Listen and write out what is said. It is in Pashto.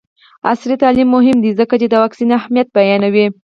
عصري تعلیم مهم دی ځکه چې د واکسین اهمیت بیانوي.